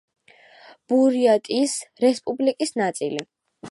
ბურიატიის რესპუბლიკის ნაწილი.